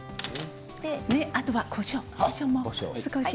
あとは、こしょうも少し。